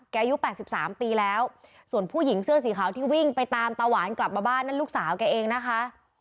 อายุ๘๓ปีแล้วส่วนผู้หญิงเสื้อสีขาวที่วิ่งไปตามตาหวานกลับมาบ้านนั่นลูกสาวแกเองนะคะ